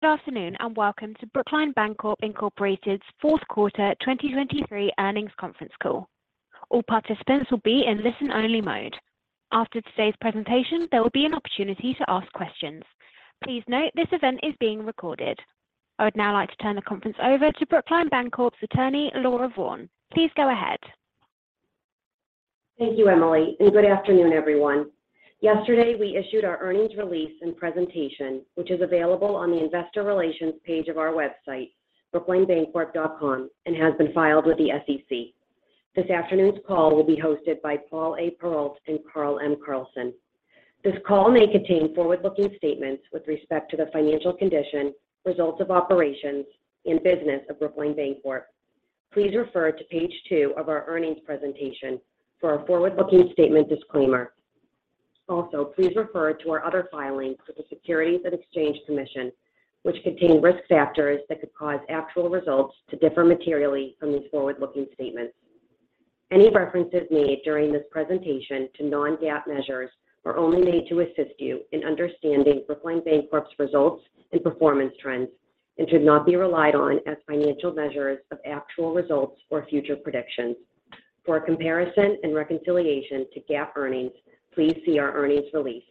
Good afternoon, and welcome to Brookline Bancorp, Inc.'s fourth quarter 2023 earnings conference call. All participants will be in listen-only mode. After today's presentation, there will be an opportunity to ask questions. Please note, this event is being recorded. I would now like to turn the conference over to Brookline Bancorp's attorney, Laura Vaughn. Please go ahead. Thank you, Emily, and good afternoon, everyone. Yesterday, we issued our earnings release and presentation, which is available on the investor relations page of our website, brooklinebancorp.com, and has been filed with the SEC. This afternoon's call will be hosted by Paul A. Perrault and Carl M. Carlson. This call may contain forward-looking statements with respect to the financial condition, results of operations, and business of Brookline Bancorp. Please refer to page two of our earnings presentation for our forward-looking statement disclaimer. Also, please refer to our other filings with the Securities and Exchange Commission, which contain risk factors that could cause actual results to differ materially from these forward-looking statements. Any references made during this presentation to non-GAAP measures are only made to assist you in understanding Brookline Bancorp's results and performance trends and should not be relied on as financial measures of actual results or future predictions. For a comparison and reconciliation to GAAP earnings, please see our earnings release.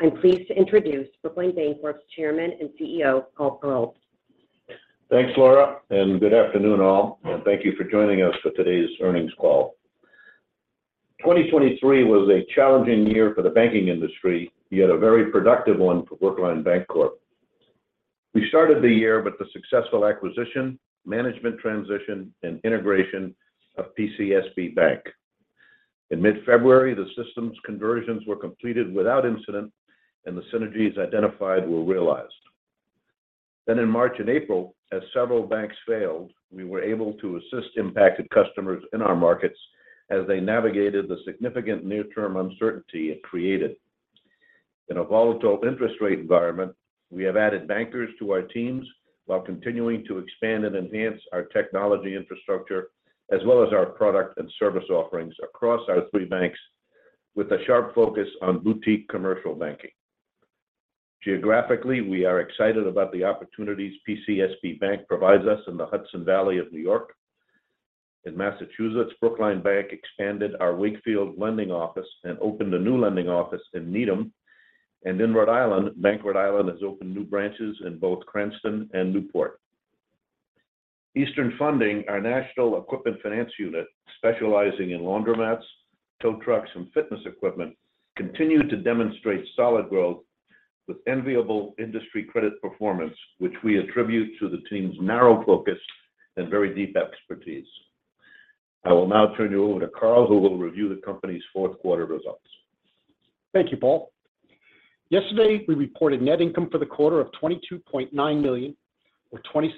I'm pleased to introduce Brookline Bancorp's Chairman and CEO, Paul Perrault. Thanks, Laura, and good afternoon, all, and thank you for joining us for today's earnings call. 2023 was a challenging year for the banking industry, yet a very productive one for Brookline Bancorp. We started the year with the successful acquisition, management transition, and integration of PCSB Bank. In mid-February, the systems conversions were completed without incident, and the synergies identified were realized. Then in March and April, as several banks failed, we were able to assist impacted customers in our markets as they navigated the significant near-term uncertainty it created. In a volatile interest rate environment, we have added bankers to our teams while continuing to expand and enhance our technology infrastructure, as well as our product and service offerings across our three banks, with a sharp focus on boutique commercial banking. Geographically, we are excited about the opportunities PCSB Bank provides us in the Hudson Valley of New York. In Massachusetts, Brookline Bank expanded our Wakefield lending office and opened a new lending office in Needham. In Rhode Island, Bank Rhode Island has opened new branches in both Cranston and Newport. Eastern Funding, our national equipment finance unit, specializing in laundromats, tow trucks, and fitness equipment, continued to demonstrate solid growth with enviable industry credit performance, which we attribute to the team's narrow focus and very deep expertise. I will now turn you over to Carl, who will review the company's fourth quarter results. Thank you, Paul. Yesterday, we reported net income for the quarter of $22.9 million or $0.26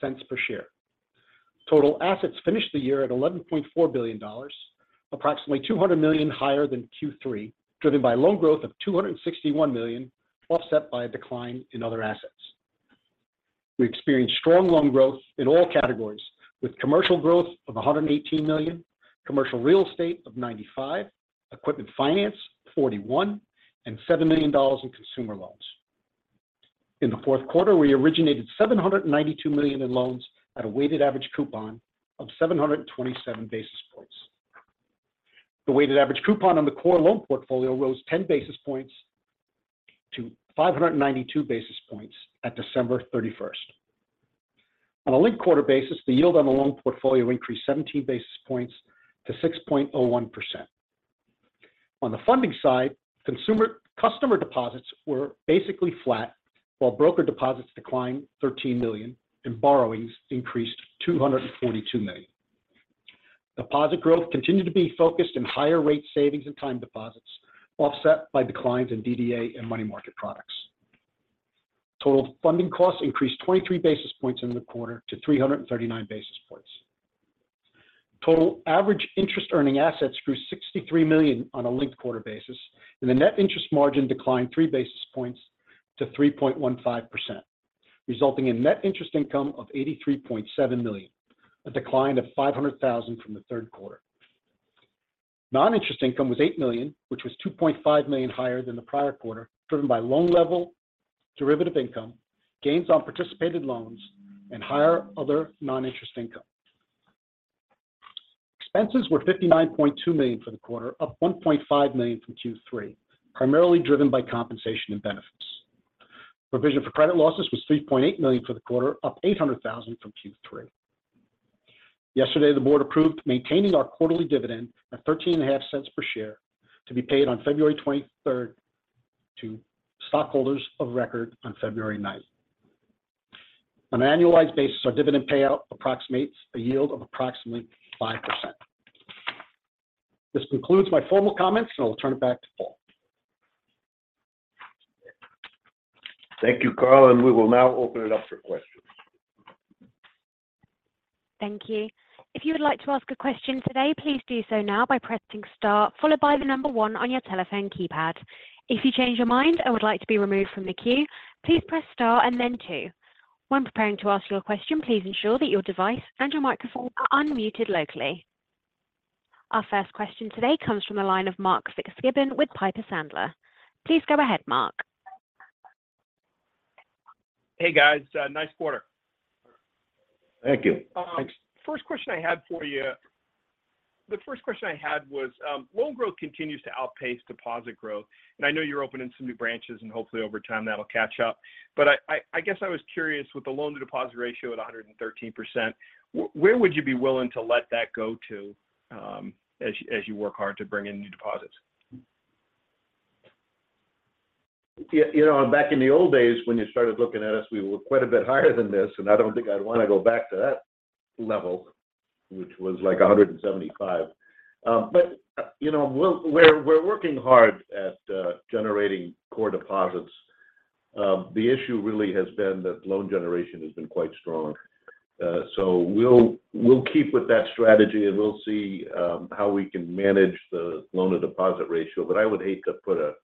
per share. Total assets finished the year at $11.4 billion, approximately $200 million higher than Q3, driven by loan growth of $261 million, offset by a decline in other assets. We experienced strong loan growth in all categories, with commercial growth of $118 million, commercial real estate of $95 million, equipment finance $41 million, and $7 million in consumer loans. In the fourth quarter, we originated $792 million in loans at a weighted average coupon of 727 basis points. The weighted average coupon on the core loan portfolio rose 10 basis points to 592 basis points at December 31. On a linked-quarter basis, the yield on the loan portfolio increased 17 basis points to 6.01%. On the funding side, customer deposits were basically flat, while broker deposits declined $13 million and borrowings increased $242 million. Deposit growth continued to be focused in higher rate savings and time deposits, offset by declines in DDA and money market products. Total funding costs increased 23 basis points in the quarter to 339 basis points. Total average interest earning assets grew $63 million on a linked-quarter basis, and the net interest margin declined 3 basis points to 3.15%, resulting in net interest income of $83.7 million, a decline of $500,000 from the third quarter. Non-interest income was $8 million, which was $2.5 million higher than the prior quarter, driven by loan level derivative income, gains on participated loans, and higher other non-interest income. Expenses were $59.2 million for the quarter, up $1.5 million from Q3, primarily driven by compensation and benefits. Provision for credit losses was $3.8 million for the quarter, up $800,000 from Q3. Yesterday, the board approved maintaining our quarterly dividend at $0.135 per share to be paid on February 23rd to stockholders of record on February 9th. On an annualized basis, our dividend payout approximates a yield of approximately 5%. This concludes my formal comments, and I'll turn it back to Paul. Thank you, Carl, and we will now open it up for questions. Thank you. If you would like to ask a question today, please do so now by pressing star followed by the number one on your telephone keypad. If you change your mind and would like to be removed from the queue, please press star and then two. When preparing to ask your question, please ensure that your device and your microphone are unmuted locally. Our first question today comes from the line of Mark Fitzgibbon with Piper Sandler. Please go ahead, Mark. Hey, guys. Nice quarter. Thank you. First question I had for you, the first question I had was, loan growth continues to outpace deposit growth, and I know you're opening some new branches, and hopefully over time, that'll catch up. But I guess I was curious, with the loan-to-deposit ratio at 113%, where would you be willing to let that go to, as you work hard to bring in new deposits? Yeah, you know, back in the old days, when you started looking at us, we were quite a bit higher than this, and I don't think I'd wanna go back to that level, which was like 175. But, you know, we're working hard at generating core deposits. The issue really has been that loan generation has been quite strong. So we'll keep with that strategy, and we'll see how we can manage the loan-to-deposit ratio. But I would hate to put a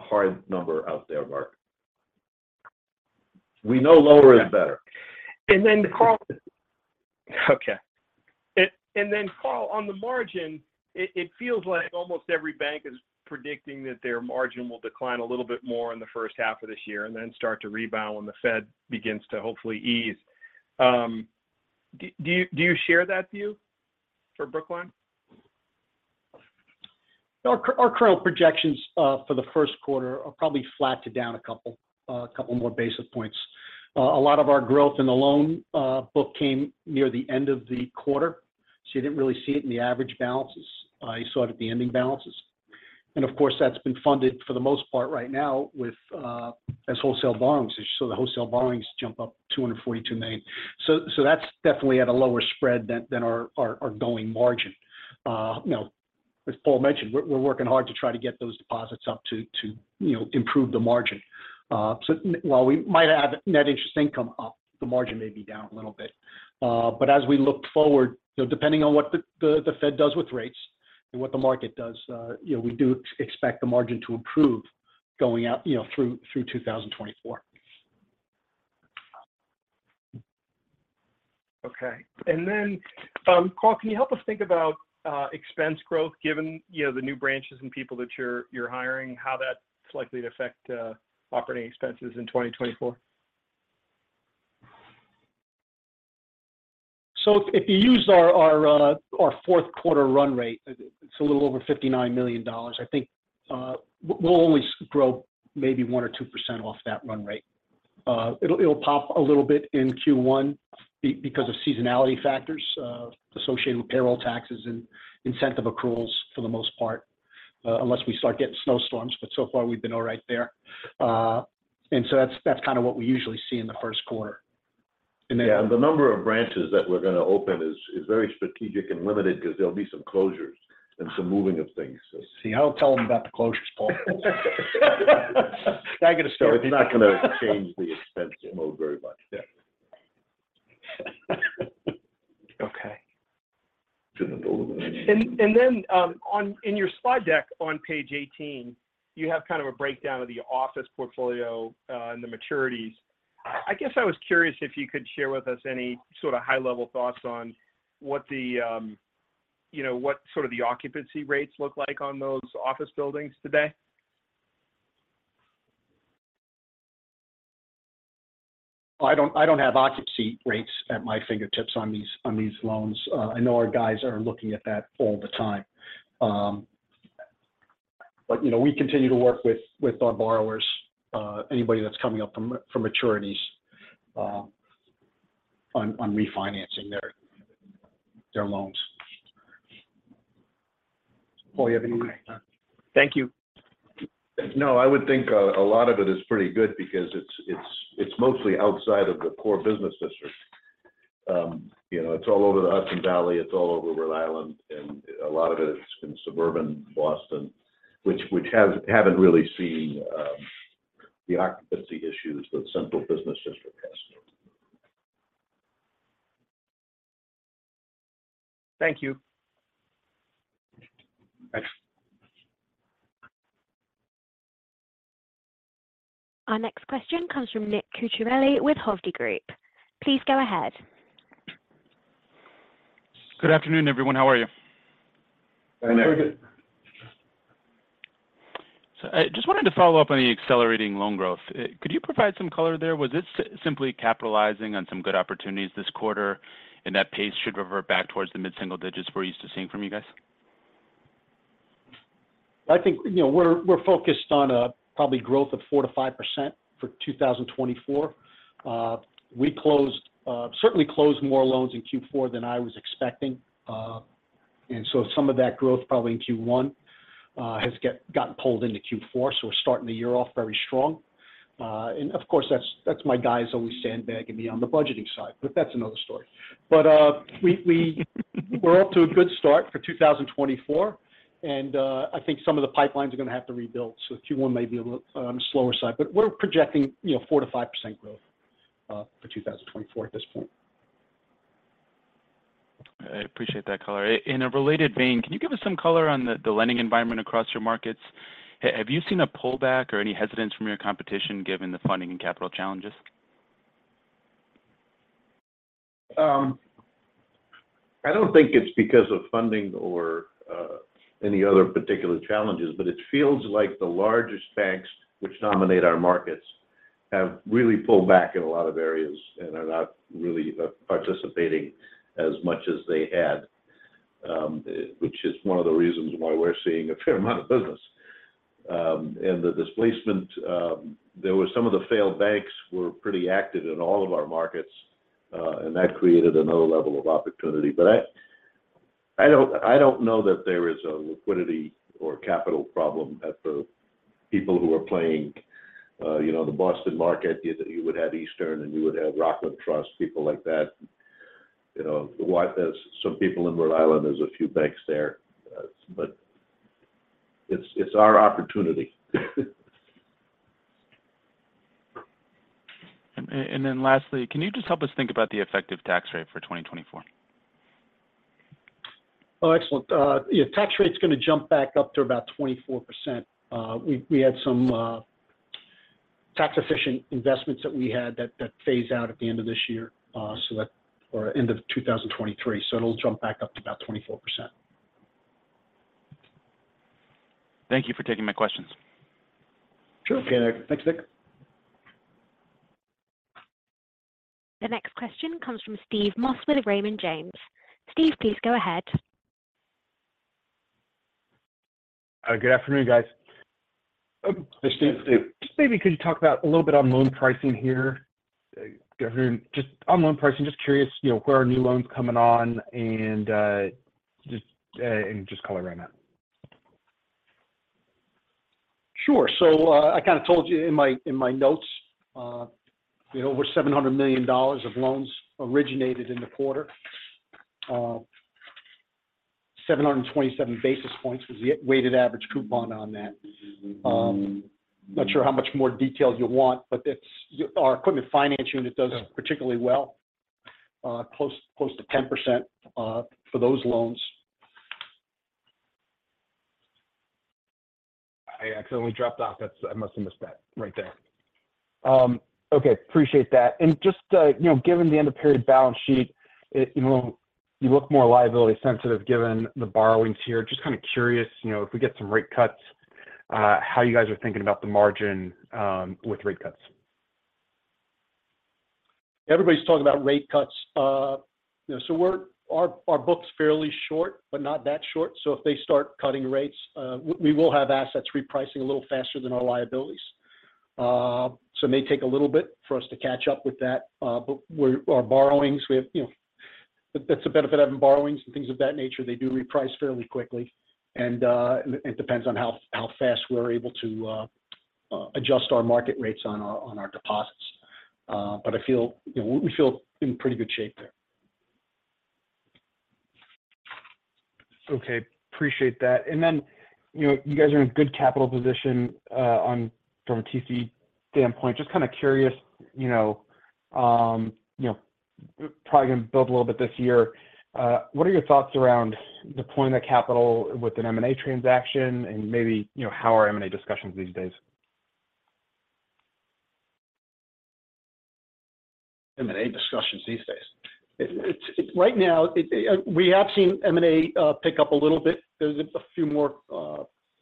hard number out there, Mark. We know lower is better. And then, Carl, on the margin, it feels like almost every bank is predicting that their margin will decline a little bit more in the first half of this year and then start to rebound when the Fed begins to hopefully ease. Do you share that view for Brookline? Our current projections for the first quarter are probably flat to down a couple more basis points. A lot of our growth in the loan book came near the end of the quarter, so you didn't really see it in the average balances. You saw it at the ending balances. And of course, that's been funded, for the most part right now, with as wholesale borrowings. So the wholesale borrowings jump up $242 million. So that's definitely at a lower spread than our going margin. You know, as Paul mentioned, we're working hard to try to get those deposits up to you know, improve the margin. So while we might have net interest income up, the margin may be down a little bit. But as we look forward, you know, depending on what the Fed does with rates and what the market does, you know, we do expect the margin to improve going out, you know, through 2024. Okay. And then, Carl, can you help us think about expense growth, given, you know, the new branches and people that you're hiring, how that's likely to affect operating expenses in 2024? So if you use our fourth quarter run rate, it's a little over $59 million, I think, we'll only grow maybe 1% or 2% off that run rate. It'll pop a little bit in Q1 because of seasonality factors associated with payroll taxes and incentive accruals for the most part, unless we start getting snowstorms, but so far we've been all right there. And so that's kind of what we usually see in the first quarter. Yeah, and the number of branches that we're gonna open is very strategic and limited because there'll be some closures and some moving of things. See, I don't tell them about the closures, Paul. Not gonna start. It's not gonna change the expense mode very much. Yeah. Okay. To the full of it. In your slide deck on page 18, you have kind of a breakdown of the office portfolio, and the maturities. I guess I was curious if you could share with us any sort of high-level thoughts on what sort of the occupancy rates look like on those office buildings today? I don't, I don't have occupancy rates at my fingertips on these, on these loans. I know our guys are looking at that all the time. But, you know, we continue to work with, with our borrowers, anybody that's coming up for maturities, on, on refinancing their, their loans. Paul, you have anything to add? Thank you. No, I would think a lot of it is pretty good because it's mostly outside of the core business district. You know, it's all over the Hudson Valley, it's all over Rhode Island, and a lot of it is in suburban Boston, which hasn't really seen the occupancy issues that central business district has. Thank you. Thanks. Our next question comes from Nick Cucharale with Hovde Group. Please go ahead. Good afternoon, everyone. How are you? Hi, Nick. Very good. So I just wanted to follow up on the accelerating loan growth. Could you provide some color there? Was this simply capitalizing on some good opportunities this quarter, and that pace should revert back towards the mid-single digits we're used to seeing from you guys? I think, you know, we're focused on probably growth of 4%-5% for 2024. We closed certainly more loans in Q4 than I was expecting. And so some of that growth probably in Q1 has gotten pulled into Q4, so we're starting the year off very strong. And of course, that's my guys always sandbagging me on the budgeting side, but that's another story. But we're off to a good start for 2024, and I think some of the pipelines are going to have to rebuild, so Q1 may be a little slower side. But we're projecting, you know, 4%-5% growth for 2024 at this point. I appreciate that color. In a related vein, can you give us some color on the lending environment across your markets? Have you seen a pullback or any hesitance from your competition, given the funding and capital challenges? I don't think it's because of funding or any other particular challenges, but it feels like the largest banks which dominate our markets have really pulled back in a lot of areas and are not really participating as much as they had. Which is one of the reasons why we're seeing a fair amount of business. And the displacement, there were some of the failed banks were pretty active in all of our markets, and that created another level of opportunity. But I, I don't, I don't know that there is a liquidity or capital problem at the people who are playing, you know, the Boston market. You would have Eastern, and you would have Rockland Trust, people like that. You know, why, there's some people in Rhode Island, there's a few banks there, but it's our opportunity. And then lastly, can you just help us think about the effective tax rate for 2024? Oh, excellent. Yeah, tax rate's gonna jump back up to about 24%. We had some tax-efficient investments that we had that phase out at the end of this year, so that, or end of 2023. So it'll jump back up to about 24%. Thank you for taking my questions. Sure. Okay, Nick. Thanks, Nick. The next question comes from Steve Moss of Raymond James. Steve, please go ahead. Good afternoon, guys. Hi, Steve. Steve. Just maybe could you talk about a little bit on loan pricing here? Just on loan pricing, just curious, you know, where are new loans coming on, and just color right now. Sure. So, I kind of told you in my, in my notes, you know, over $700 million of loans originated in the quarter. 727 basis points was the weighted average coupon on that. Not sure how much more detail you want, but it's, our equipment finance unit does- Yeah Particularly well, close, close to 10%, for those loans. I accidentally dropped off. That's. I must have missed that right there. Okay, appreciate that. And just, you know, given the end-of-period balance sheet, it you know, you look more liability sensitive given the borrowings here. Just kind of curious, you know, if we get some rate cuts, how you guys are thinking about the margin, with rate cuts? Everybody's talking about rate cuts. You know, so our book's fairly short, but not that short. So if they start cutting rates, we will have assets repricing a little faster than our liabilities. So it may take a little bit for us to catch up with that, but our borrowings we have, you know. That's the benefit of having borrowings and things of that nature. They do reprice fairly quickly, and it depends on how fast we're able to adjust our market rates on our deposits. But I feel, you know, we feel in pretty good shape there. Okay, appreciate that. And then, you know, you guys are in a good capital position on from a TC standpoint. Just kind of curious, you know, probably going to build a little bit this year. What are your thoughts around deploying the capital with an M&A transaction? And maybe, you know, how are M&A discussions these days? M&A discussions these days. Right now, we have seen M&A pick up a little bit. There's a few more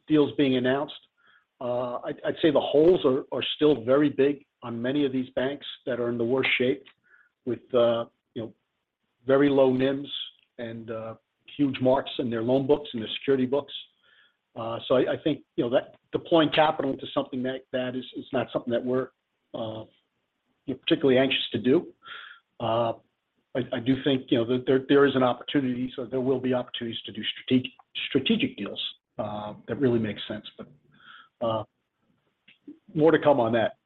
deals being announced. I'd say the holes are still very big on many of these banks that are in the worst shape with you know very low NIMs and huge marks in their loan books and their security books. So I think you know that deploying capital into something like that is not something that we're particularly anxious to do. I do think you know that there is an opportunity, so there will be opportunities to do strategic deals that really makes sense. But more to come on that.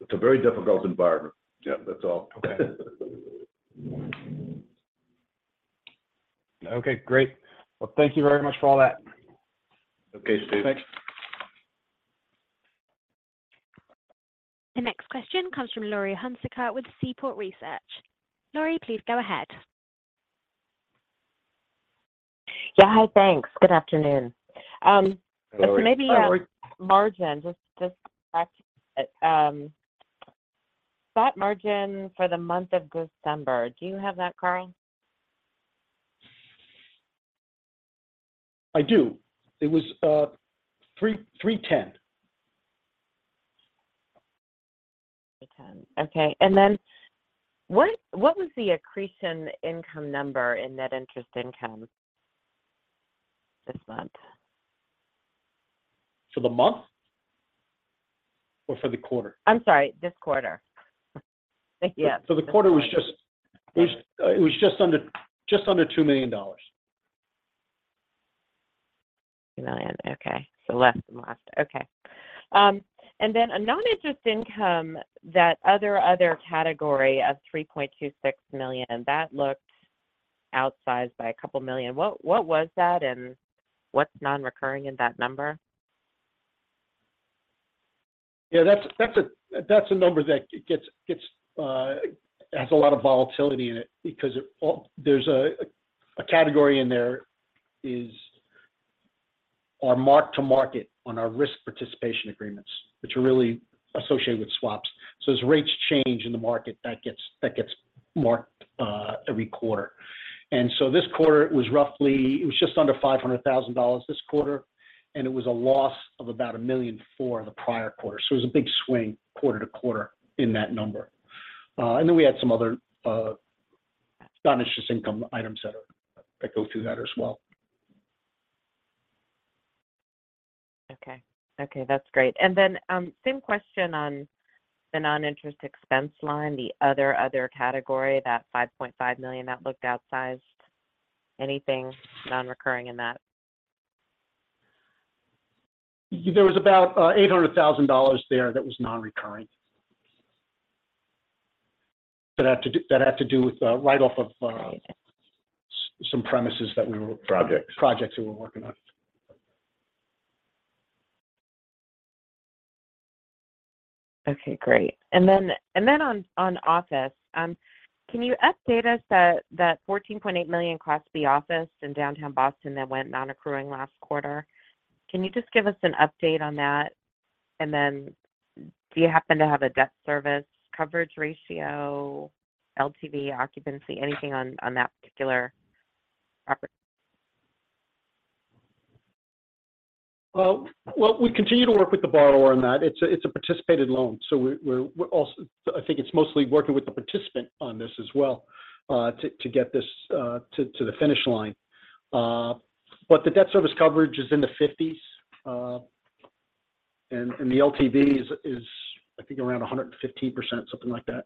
It's a very difficult environment. Yeah. That's all. Okay. Okay, great. Well, thank you very much for all that. Okay, Steve. Thanks. The next question comes from Laurie Hunsicker with Seaport Research. Laurie, please go ahead. Yeah. Hi, thanks. Good afternoon. Hello. Hi, Laurie. Maybe, margin, just back that margin for the month of December. Do you have that, Carl? I do. It was 3.10%. 3:10. Okay, and then what, what was the accretion income number in net interest income this month? For the month or for the quarter? I'm sorry, this quarter. Thank you. So the quarter was just. Sorry. It was just under, just under $2 million. $2 million. Okay. So less than last. Okay. And then a non-interest income, that other, other category of $3.26 million, that looked outsized by a couple million. What, what was that, and what's non-recurring in that number? Yeah, that's a number that has a lot of volatility in it because there's a category in there that are mark-to-market on our risk participation agreements, which are really associated with swaps. So as rates change in the market, that gets marked every quarter. And so this quarter, it was roughly, it was just under $500,000 this quarter, and it was a loss of about $1.4 million the prior quarter. So it was a big swing quarter to quarter in that number. And then we had some other non-interest income items that go through that as well. Okay. Okay, that's great. And then, same question on the non-interest expense line, the other category, that $5.5 million that looked outsized. Anything non-recurring in that? There was about $800,000 there that was non-recurring. That had to do with the write-off of, Okay Some premises that we were- Projects. Projects we were working on. Okay, great. And then on office, can you update us that $14.8 million Class B office in downtown Boston that went non-accruing last quarter? Can you just give us an update on that? And then do you happen to have a debt service coverage ratio, LTV, occupancy, anything on that particular property? Well, we continue to work with the borrower on that. It's a participated loan, so we're also, I think it's mostly working with the participant on this as well, to get this to the finish line. But the debt service coverage is in the 50s, and the LTV is, I think, around 115%, something like that.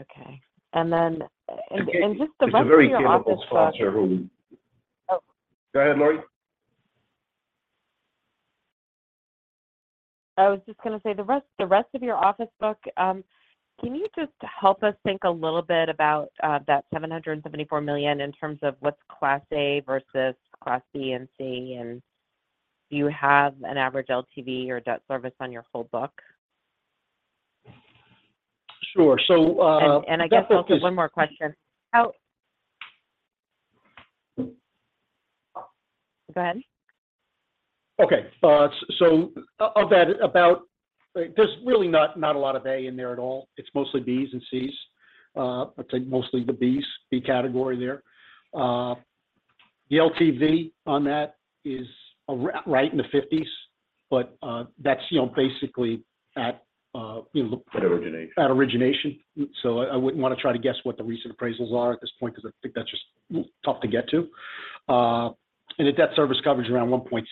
Okay. And then just the rest of your office book- There's a very capable sponsor who- Oh. Go ahead, Laurie. I was just gonna say, the rest, the rest of your office book, can you just help us think a little bit about that $774 million in terms of what's Class A versus Class B and C? And do you have an average LTV or debt service on your whole book? Sure. So. And I guess also one more question. How. Go ahead. Okay. So of that, about, there's really not a lot of A in there at all. It's mostly Bs and Cs. I'd say mostly the Bs, B category there. The LTV on that is right in the fifties, but, that's, you know, basically at, you know- At origination At origination. So I, I wouldn't want to try to guess what the recent appraisals are at this point, because I think that's just tough to get to. And the debt service coverage around 1.6.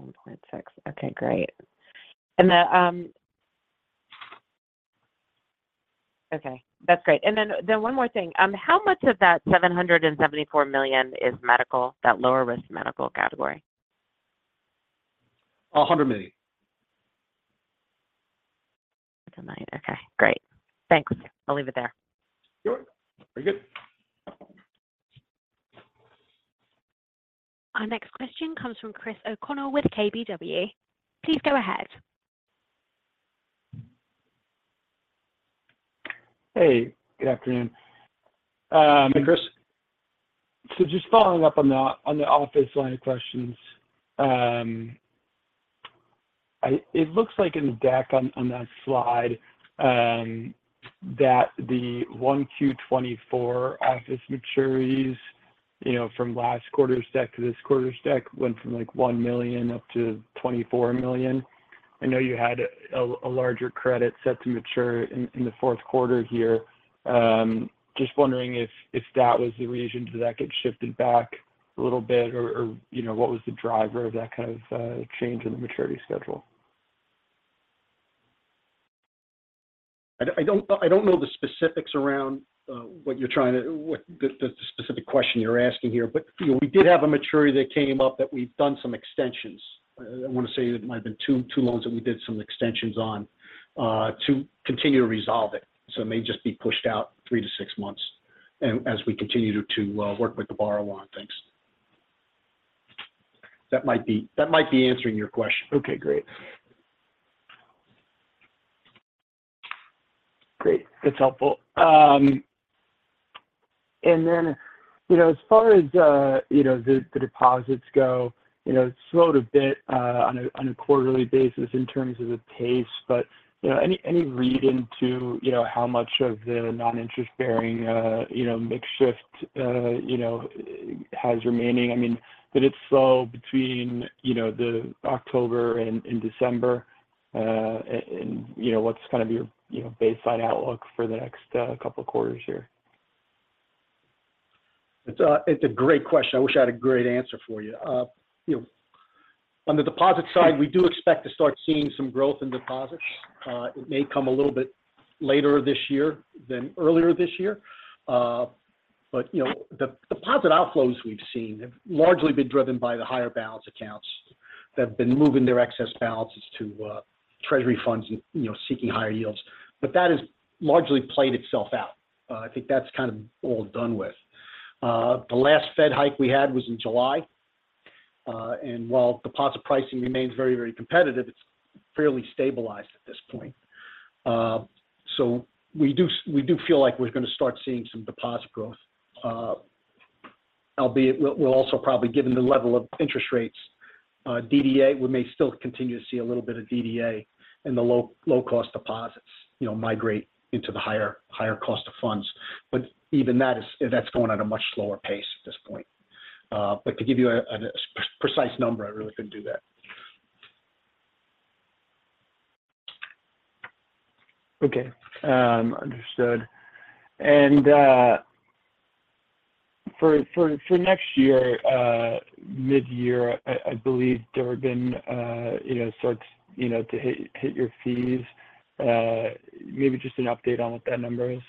1.6. Okay, great. And then, okay, that's great. And then, then one more thing. How much of that $774 million is medical, that lower risk medical category? $100 million. $100 million. Okay, great. Thanks. I'll leave it there. Sure. Very good. Our next question comes from Chris O'Connell with KBW. Please go ahead. Hey, good afternoon. Hi, Chris. So just following up on the office line of questions, it looks like in the deck on that slide that the 1Q 2024 office maturities, you know, from last quarter's deck to this quarter's deck, went from, like, $1 million up to $24 million. I know you had a larger credit set to mature in the fourth quarter here. Just wondering if that was the reason. Did that get shifted back a little bit, or, you know, what was the driver of that kind of change in the maturity schedule? I don't know the specifics around what the specific question you're asking here, but, you know, we did have a maturity that came up that we've done some extensions. I want to say it might have been two loans that we did some extensions on to continue to resolve it. So it may just be pushed out 3-6 months as we continue to work with the borrower on things. That might be answering your question. Okay, great. Great, that's helpful. And then, you know, as far as, you know, the deposits go, you know, it slowed a bit on a quarterly basis in terms of the pace, but, you know, any read into, you know, how much of the non-interest-bearing, you know, mix shift, you know, has remaining? I mean, did it slow between, you know, the October and December, and, you know, what's kind of your, you know, baseline outlook for the next couple of quarters here? It's a great question. I wish I had a great answer for you. You know, on the deposit side, we do expect to start seeing some growth in deposits. It may come a little bit later this year than earlier this year. But you know, the deposit outflows we've seen have largely been driven by the higher balance accounts that have been moving their excess balances to treasury funds and, you know, seeking higher yields. But that has largely played itself out. I think that's kind of all done with. The last Fed hike we had was in July, and while deposit pricing remains very, very competitive, it's fairly stabilized at this point. So we do, we do feel like we're gonna start seeing some deposit growth. Albeit, we'll also probably, given the level of interest rates, DDA, we may still continue to see a little bit of DDA in the low, low-cost deposits, you know, migrate into the higher, higher cost of funds. But even that is, that's going at a much slower pace at this point. But to give you a precise number, I really couldn't do that. Okay. Understood. And for next year, mid-year, I believe Durbin, you know, starts, you know, to hit your fees. Maybe just an update on what that number is?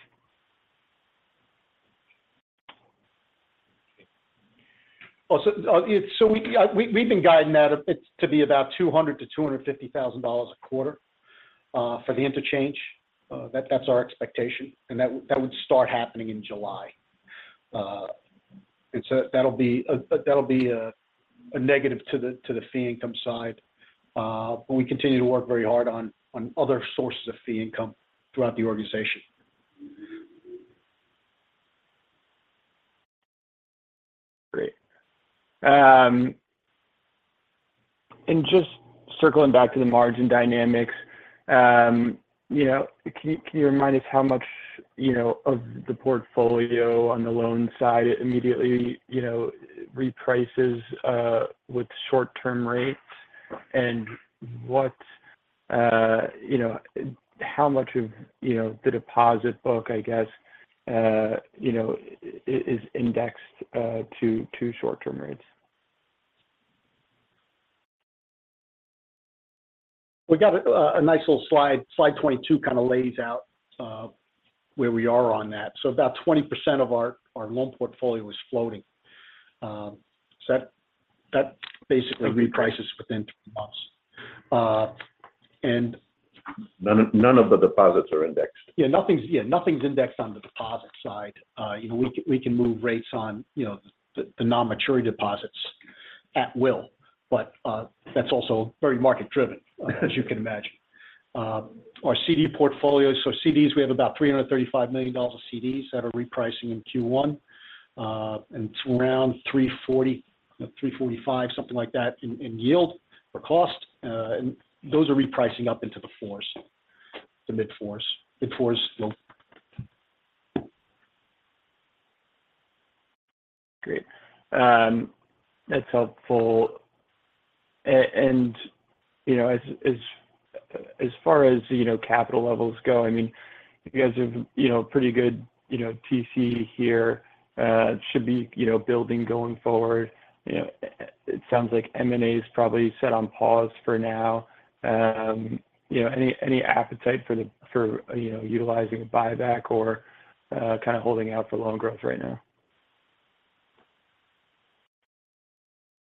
Well, so, it's so we, we've been guiding that up it to be about $200,000-$250,000 a quarter for the interchange. That's our expectation, and that would start happening in July. And so that'll be a negative to the fee income side. But we continue to work very hard on other sources of fee income throughout the organization. Great. And just circling back to the margin dynamics, you know, can you, can you remind us how much, you know, of the portfolio on the loan side it immediately, you know, reprices with short-term rates? And what, you know, how much of, you know, the deposit book, I guess, you know, is indexed to short-term rates? We've got a nice little slide. Slide 22 kind of lays out where we are on that. So about 20% of our loan portfolio is floating. So that basically reprices within 2 months. And- None of the deposits are indexed. Yeah, nothing's indexed on the deposit side. You know, we can move rates on, you know, the non-maturity deposits at will, but that's also very market driven, as you can imagine. Our CD portfolios, so CDs, we have about $335 million of CDs that are repricing in Q1. And it's around 3.40, 3.45, something like that, in yield or cost. And those are repricing up into the 4s, the mid-4s. Mid-4s, still. Great. That's helpful. And, you know, as far as, you know, capital levels go, I mean, you guys have, you know, pretty good, you know, TC here, should be, you know, building going forward. You know, it sounds like M&A is probably set on pause for now. You know, any appetite for utilizing a buyback or kind of holding out for loan growth right now?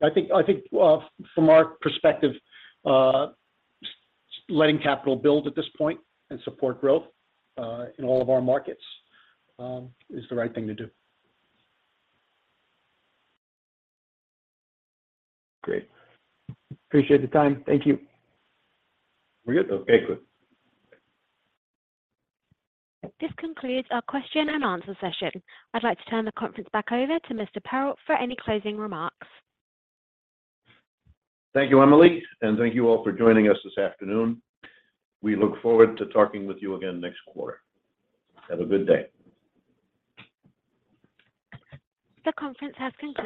I think, well, from our perspective, letting capital build at this point and support growth in all of our markets is the right thing to do. Great. Appreciate the time. Thank you. We're good. Okay, good. This concludes our question and answer session. I'd like to turn the conference back over to Mr. Perrault for any closing remarks. Thank you, Emily, and thank you all for joining us this afternoon. We look forward to talking with you again next quarter. Have a good day. The conference has concluded.